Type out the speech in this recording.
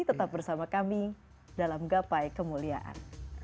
tetap bersama kami dalam gapai kemuliaan